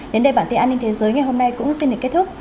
đến đây bản tin an ninh thế giới ngày hôm nay cũng xin được kết thúc